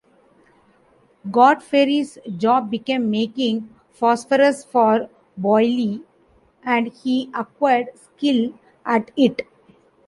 Godfrey's job became making phosphorus for Boyle, and he acquired skill at it.